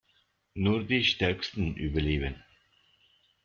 Nur die Stärksten überleben.